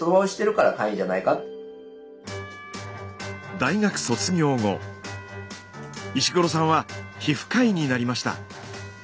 大学卒業後石黒さんは皮膚科医になりました。